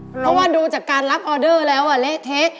เพราะว่าดูจากการรับออเดอร์แล้วเละเทะ